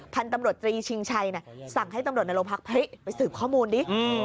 พันธุ์ตำรวจตรีชิงชัยสั่งให้ตำรวจในโรงพักพริกไปสืบข้อมูลดิ